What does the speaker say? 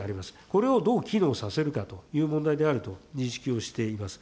これをどう機能させるかという問題であると、認識をしています。